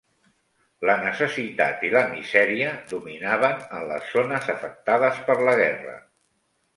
La necessitat i la misèria dominaven en les zones afectades per la guerra.